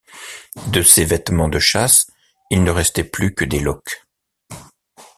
De ses vêtements de chasse, il ne restait plus que des loques.